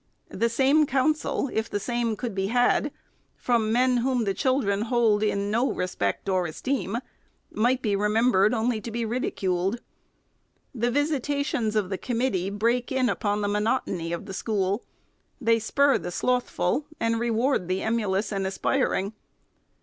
The same counsel, if the same could be had, from men whom the children hold in no respect or esteem, might be remembered only to be ridiculed. The visitations of the committee break in upon the monotony of the school. They spur the slothful, and reward the emulous and aspiring.